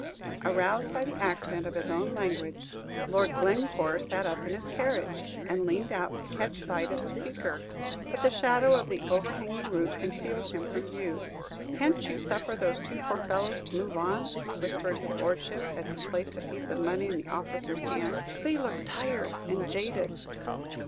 Aroused by the accent of his own language, Lord Glencore sat up in his carriage, and leaned out to catch sight of the speaker; but the shadow of the overhanging roof concealed him from view. "Can't you suffer those two poor fellows to move on?" whispered his Lordship, as he placed a piece of money in the officer's hand; "they look tired and jaded."